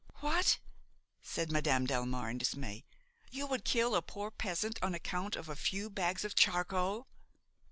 "What!" said Madame Delmare in dismay, "you would kill a poor peasant on account of a few bags of charcoal?"